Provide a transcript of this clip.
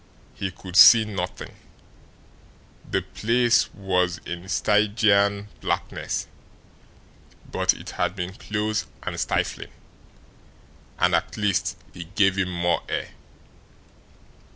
He could see nothing; the place was in Stygian blackness; but it had been close and stifling, and, at least, it gave him more air.